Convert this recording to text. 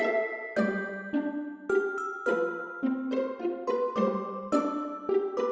aku mimpi untuk mempunyai kuliah writers iki untuk neraka